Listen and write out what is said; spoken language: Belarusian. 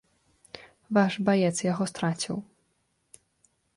Ваш баец яго страціў.